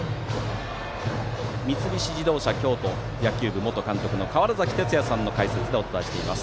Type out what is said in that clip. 三菱自動車京都野球部元監督の川原崎哲也さんの解説でお伝えしています。